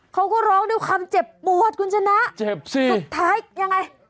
เขาก็ร้องด้วยความเจ็บปวดคุณชนะเจ็บสิสุดท้ายยังไง